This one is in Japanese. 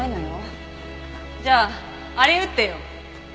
じゃああれ撃ってよ。